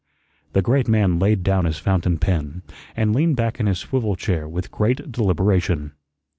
The great man laid down his fountain pen and leaned back in his swivel chair with great deliberation.